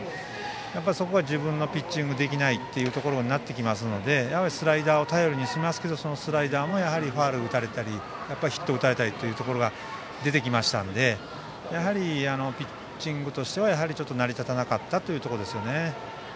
そこで自分のピッチングができないというところになってきますのでスライダーを頼りにしますがスライダーをファウル打たれたりヒットを打たれたりというのが出てきたのでピッチングとしては成り立たなかったところですね。